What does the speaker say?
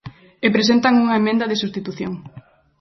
E presentan unha emenda de substitución.